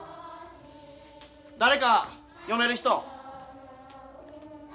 誰か読める人？